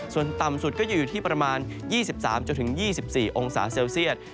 ส่วนต่ำสุดก็อยู่ที่ประมาณ๒๓๒๔องศาเซลเซียต